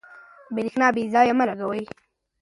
برېښنا بې ځایه مه لګوئ.